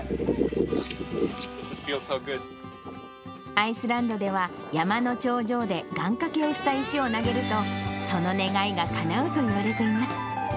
アイスランドでは、山の頂上で願かけをした石を投げるとその願いがかなうといわれています。